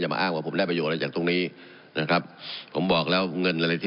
มาอ้างว่าผมได้ประโยชน์อะไรจากตรงนี้นะครับผมบอกแล้วเงินอะไรที่